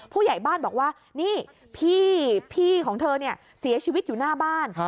ผู้ใหญ่บ้านบอกว่านี่พี่ของเธอเนี่ยเสียชีวิตอยู่หน้าบ้าน